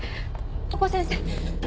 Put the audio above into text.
京子先生